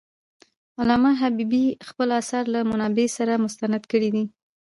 علامه حبيبي خپل آثار له منابعو سره مستند کړي دي.